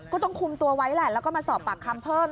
ก็ต้องคุมตัวไว้แหละแล้วก็มาสอบปากคำเพิ่ม